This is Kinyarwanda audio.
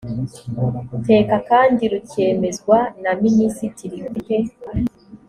teka kandi rukemezwa na minisitiri ufite